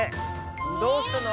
どうしたの？